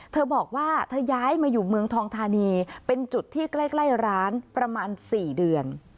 เธอบอกว่าเธอย้ายมาอยู่เมืองทองธานีเป็นจุดที่ใกล้ร้านประมาณ๔เดือน